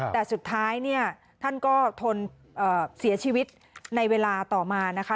แต่สุดท้ายเนี่ยท่านก็ทนเสียชีวิตในเวลาต่อมานะคะ